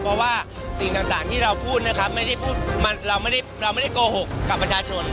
เพราะว่าสิ่งต่างที่เราพูดเราไม่ได้โกหกกับปัญหาชน